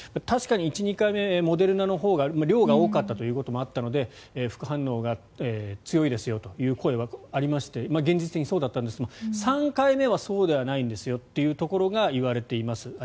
確かに１、２回目モデルナのほうが量が多かったということもあったので副反応が強いですよという声はありまして現実的にそうだったんですけど３回目はそうではないんですよというところが言われています。